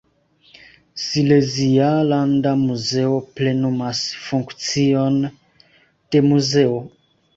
Silezia landa muzeo plenumas funkcion de muzeo.